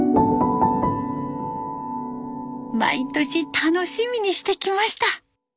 毎年楽しみにしてきました。